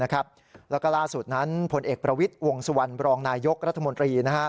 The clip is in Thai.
แล้วก็ล่าสุดนั้นพลเอกประวิทย์วงสุวรรณบรองนายยกรัฐมนตรี